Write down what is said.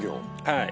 はい。